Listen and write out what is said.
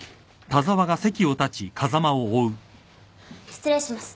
失礼します。